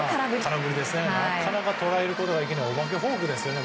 なかなか捉えることができないお化けフォークですよね。